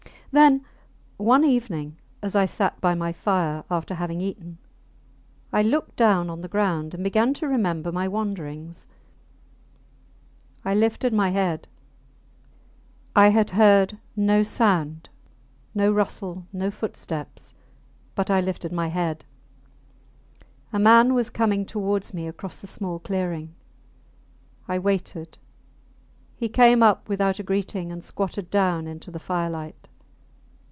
Then, one evening, as I sat by my fire after having eaten, I looked down on the ground and began to remember my wanderings. I lifted my head. I had heard no sound, no rustle, no footsteps but I lifted my head. A man was coming towards me across the small clearing. I waited. He came up without a greeting and squatted down into the firelight.